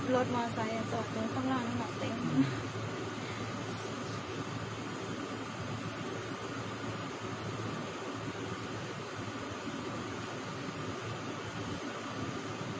รถมอไซซ์จากนี้ต้องลอดขนาดตรงนี้